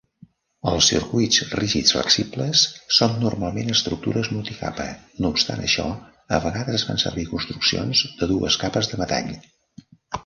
Els circuits rígid-flexibles són normalment estructures multicapa; no obstant això, a vegades es fan servir construccions de dues capes de metall.